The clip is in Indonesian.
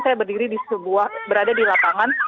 saya berada di lapangan